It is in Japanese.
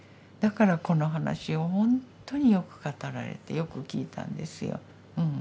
だからこの話をほんとによく語られてよくきいたんですよ。